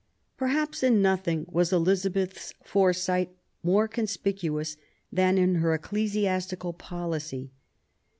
Perhaps in nothing was Elizabeth's foresight more conspicuous than in her ecclesiastical policy.